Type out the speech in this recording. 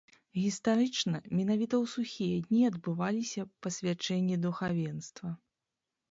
Гістарычна менавіта ў сухія дні адбываліся пасвячэнні духавенства.